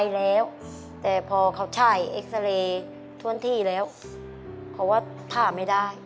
ไปแล้วแต่พอเขาใช้เอ็กซาเลทวนที่แล้วเขาว่าผ่าไม่ได้